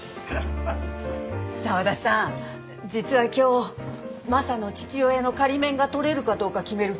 沢田さん実は今日マサの父親の仮免が取れるかどうか決める